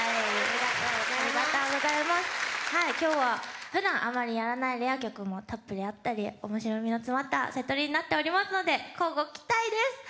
今日は、ふだんあまりやらないレア曲だったりたっぷりあったりおもしろみの詰まったセトリになってますので乞うご期待です！